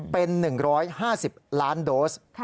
เป็น๑๕๐ล้านโดส